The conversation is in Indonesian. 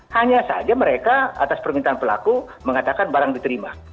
hanya saja mereka atas permintaan pelaku mengatakan barang diterima